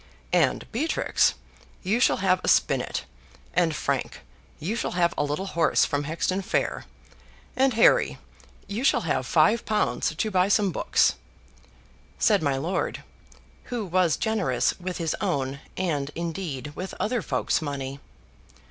And, Beatrix, you shall have a spinnet: and, Frank, you shall have a little horse from Hexton Fair; and, Harry, you shall have five pounds to buy some books," said my lord, who was generous with his own, and indeed with other folk's money.